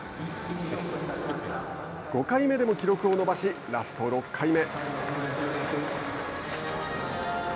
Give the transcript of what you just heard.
５回目でも記録を伸ばしラスト６回目。